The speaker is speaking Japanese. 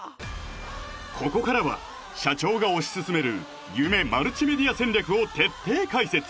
ここからは社長が推し進める夢マルチメディア戦略を徹底解説